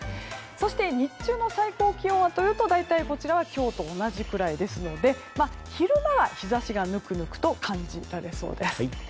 そして日中の最高気温はというと大体、こちらは今日と同じくらいですので昼間は日差しがぬくぬくと感じられそうです。